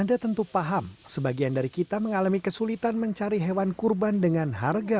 anda tentu paham sebagian dari kita mengalami kesulitan mencari hewan kurban dengan harga